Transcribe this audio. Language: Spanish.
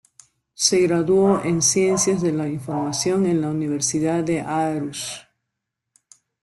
Se graduó en ciencias de la información en la Universidad de Aarhus.